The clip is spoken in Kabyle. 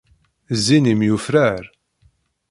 Zzin-im yufrar.